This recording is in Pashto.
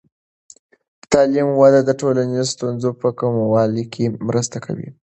د تعلیم وده د ټولنیزو ستونزو په کمولو کې مرسته کوي.